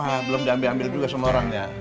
ini kenapa belum diambil ambil juga sama orangnya